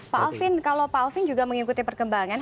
pak alvin kalau pak alvin juga mengikuti perkembangan